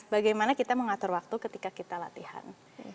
bagaimana kita mengatur waktu ketika kita latihan